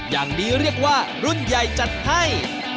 อย่างนี้เรียกว่ารุ่นใหญ่จัดให้